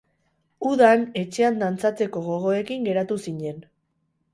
Udan etxean dantzatzeko gogoekin geratu zinen.